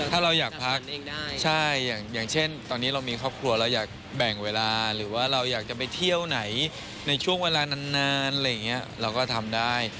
ถ้าเราอยากพักใช่อย่างเช่นตอนนี้เรามีครอบครัวเราอยากแบ่งเวลาหรือว่าเราอยากจะไปเที่ยวไหนในช่วงเวลานานอะไรอย่างนี้เราก็ทำได้